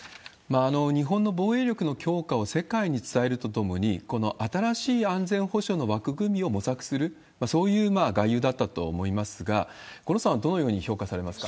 日本の防衛力の強化を世界に伝えるとともに、この新しい安全保障の枠組みを模索する、そういう外遊だったと思いますが、五郎さんはどのように評価されますか？